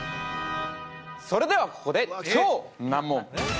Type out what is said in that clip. それではここで超難問